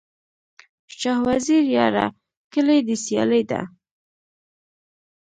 شاه وزیره یاره، کلي دي سیالي ده